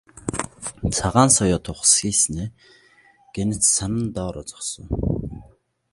Цагаан соёот ухасхийснээ гэнэт санан доороо зогсов.